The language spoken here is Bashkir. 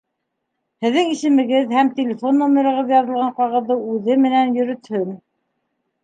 Һеҙҙең исемегеҙ һәм телефон номерығыҙ яҙылған ҡағыҙҙы үҙе менән йөрөтһөн.